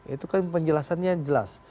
itu kan penjelasannya jelas